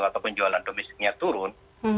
atau penjualan domestiknya turun